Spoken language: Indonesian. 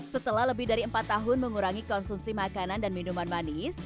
setelah lebih dari empat tahun mengurangi konsumsi makanan dan minuman manis